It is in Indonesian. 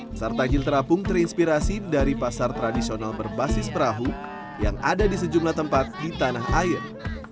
pasar takjil terapung terinspirasi dari pasar tradisional berbasis perahu yang ada di sejumlah tempat di tanah air